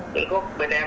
thứ thuốc bên em